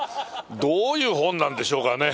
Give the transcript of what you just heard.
どういう本なんでしょうかね。